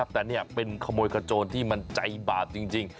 แต่เป็นขโมยกระโจญที่มันใจบาตรจริง